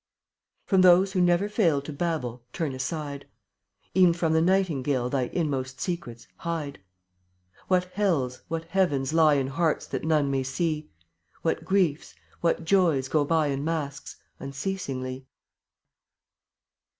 34 From those who never fail To babble, turn aside; E'en from the nightingale Thy inmost secrets hide. What hells, what heavens lie In hearts that none may see; What griefs, what joys go by In masks, unceasingly.